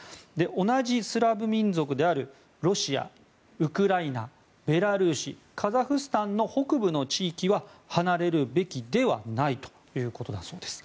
同じスラブ民族であるロシア、ウクライナベラルーシ、カザフスタンの北部の地域は離れるべきではないということだそうです。